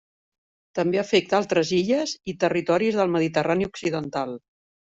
També afecta altres illes i territoris del Mediterrani occidental.